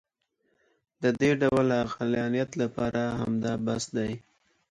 د دې ډول عقلانیت لپاره همدا بس دی.